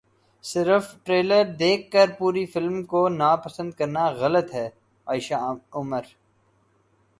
صرف ٹریلر دیکھ کر پوری فلم کو ناپسند کرنا غلط ہے عائشہ عمر